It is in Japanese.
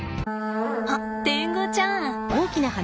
あっテングちゃん。